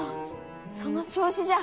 その調子じゃ。